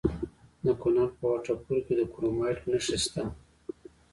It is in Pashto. د کونړ په وټه پور کې د کرومایټ نښې شته.